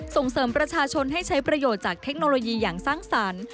ส่งเสริมประชาชนให้ใช้ประโยชน์จากเทคโนโลยีอย่างสร้างสรรค์